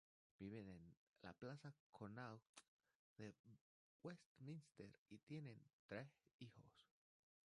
Viven en la Plaza Connaught de Westminster y tienen tres hijos.